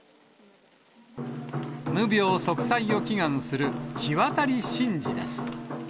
無病息災を祈願する火渡り神事です。